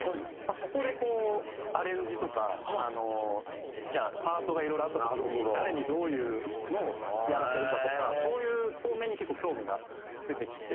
そこでこうアレンジとかあのじゃあパートがいろいろあった時に誰にどういうのをやらせるかとかそういう方面に結構興味が出てきて。